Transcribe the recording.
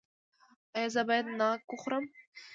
ایا زه باید ناک وخورم؟